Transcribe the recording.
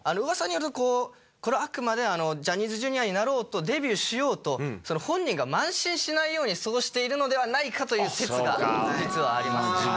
噂によるとこうこれはあくまでジャニーズＪｒ．になろうとデビューしようと本人が慢心しないようにそうしているのではないかという説が実はあります。